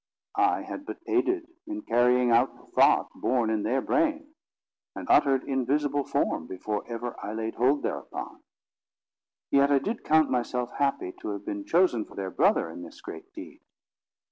I had but aided in carrying out the thought born in their brain, and uttered in visible form before ever I laid hold thereupon. Yet I did count myself happy to have been chosen for their brother in this great deed.